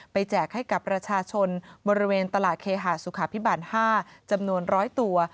แจกให้กับประชาชนบริเวณตลาดเคหาสุขภิบาล๕จำนวน๑๐๐ตัว